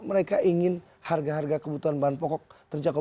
mereka ingin harga harga kebutuhan bahan pokok terjangkau